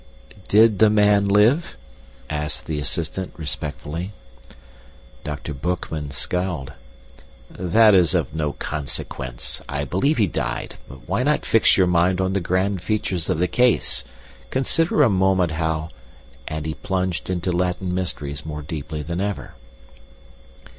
"Did the man live?" asked the assistant respectfully. Dr. Boekman scowled. "That is of no consequence. I believe he died, but why not fix your mind on the grand features of the case? Consider a moment how " And he plunged into Latin mysteries more deeply than ever.